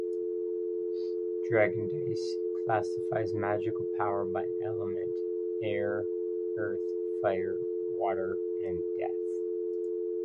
"Dragon Dice" classifies magical power by element: air, earth, fire, water, and death.